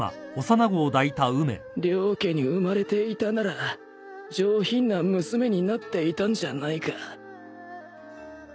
良家に生まれていたなら上品な娘になっていたんじゃないか